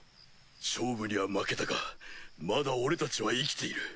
勝負には負けたがまだ俺たちは生きている。